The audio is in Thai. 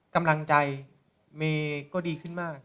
กำลังใจเมย์ก็ดีขึ้นมาก